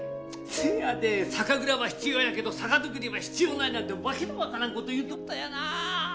せやで酒蔵は必要やけど酒造りは必要ないなんて訳の分からんこと言うとったんやなぁ。